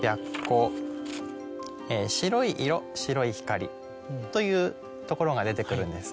白い色白い光。というところが出てくるんです。